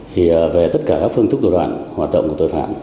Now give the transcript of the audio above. thì về tất cả các phương thức thủ đoạn hoạt động của tội phạm